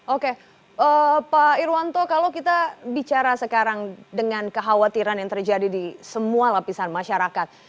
oke pak irwanto kalau kita bicara sekarang dengan kekhawatiran yang terjadi di semua lapisan masyarakat